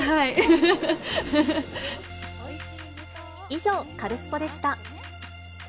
以上、カルスポっ！でした。